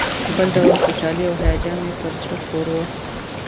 بل ډول خوشالي او هیجان مې پر زړه خپور و.